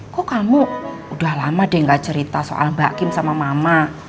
kok kamu udah lama deh gak cerita soal mbak kim sama mama